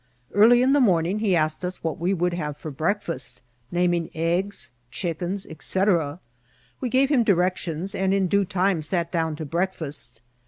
Early in the morning he asked us what we would have for breakfast, naming eggs, chickens, &c. We gave him directions, and in due time sat down to breakfast.